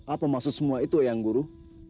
apa maksud semua itu yang guru